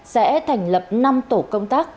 sẽ thành lập năm tổ công tác